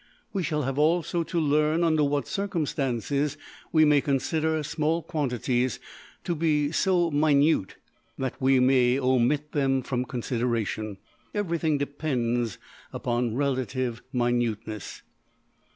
We shall have also to learn under what circumstances we may consider small quantities to be so minute that we may omit them from consideration. Everything depends upon relative minuteness.